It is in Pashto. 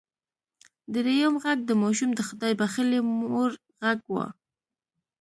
دريم غږ د ماشوم د خدای بښلې مور غږ و.